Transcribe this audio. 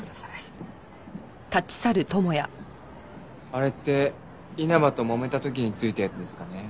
あれって稲葉ともめた時についたやつですかね？